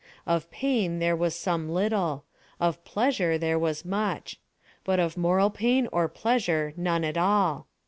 Of pain there was some little; of pleasure there was much; but of moral pain or pleasure none at all.